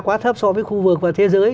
quá thấp so với khu vực và thế giới